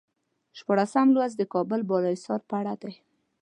شپاړسم لوست د کابل بالا حصار په اړه دی.